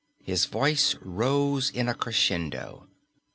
His voice rose in a crescendo.